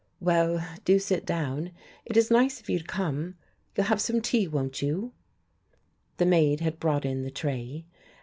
Well, do sit down. It is nice of you to come. You'll have some tea, won't you?" The maid had brought in the tray.